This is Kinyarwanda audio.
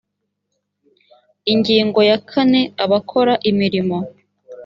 ingingo ya kane abakora imirimo